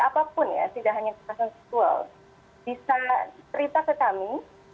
apapun ya tidak hanya kekerasan seksual bisa cerita ke kami